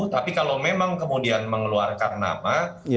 tapi kalau memang kemudian mengeluarkan nama